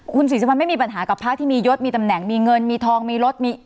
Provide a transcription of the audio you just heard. คุณศรีสุวรรณไม่มีปัญหากับพระที่มียศมีตำแหน่งมีเงินมีทองมีรถมี